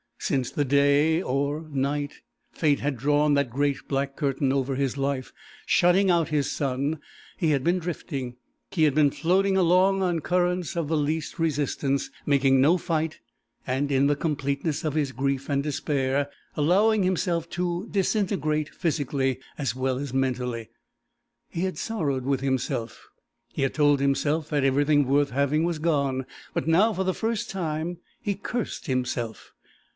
Since the day or night fate had drawn that great, black curtain over his life, shutting out his sun, he had been drifting; he had been floating along on currents of the least resistance, making no fight, and, in the completeness of his grief and despair, allowing himself to disintegrate physically as well as mentally. He had sorrowed with himself; he had told himself that everything worth having was gone; but now, for the first time, he cursed himself.